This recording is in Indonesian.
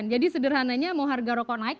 jadi sederhananya mau harga rokok naik